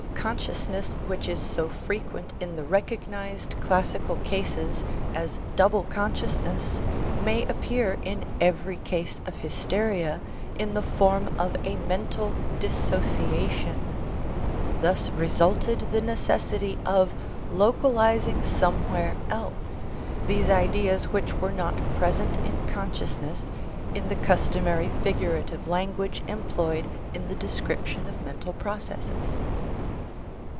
52 FREUD S THEORY OF THE NEUROSES sciousness which is so frequent in the recognized classical cases as double consciousness may appear in every case of hysteria in the form of a mental dissociation. Thus resulted the necessity of localizing somewhere else these ideas which were not present in consciousness in the customary figurative language employed in the description of mental processes.